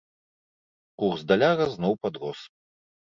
Курс даляра зноў падрос.